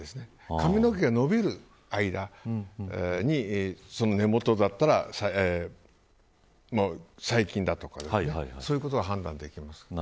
髪の毛が伸びる間に根元だったら最近だとかそういうのが判断できます。